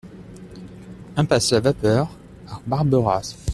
Impasse la Vapeur à Barberaz